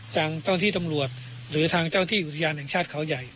เจ้าที่ตำรวจหรือทางเจ้าที่อุทยานแห่งชาติเขาใหญ่